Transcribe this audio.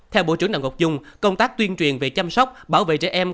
theo bộ trưởng đào ngọc dung công tác tuyên truyền về chăm sóc bảo vệ trẻ em